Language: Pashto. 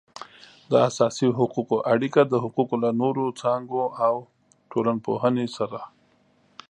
د اساسي حقوقو اړیکه د حقوقو له نورو څانګو او ټولنپوهنې سره